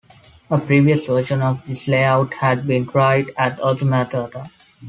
A previous version of this layout had been tried at Otematata.